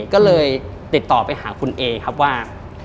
ก็เลยติดต่อไปหาคุณเอครับว่า